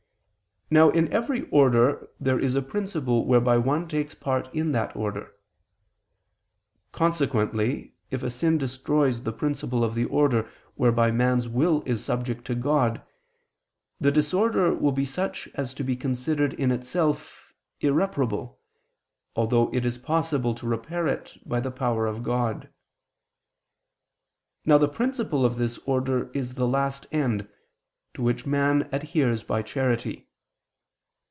Now in every order there is a principle whereby one takes part in that order. Consequently if a sin destroys the principle of the order whereby man's will is subject to God, the disorder will be such as to be considered in itself, irreparable, although it is possible to repair it by the power of God. Now the principle of this order is the last end, to which man adheres by charity.